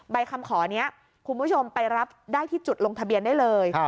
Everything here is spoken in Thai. ใบคำขอนี้คุณผู้ชมไปรับได้ที่จุดลงทะเบียนได้เลย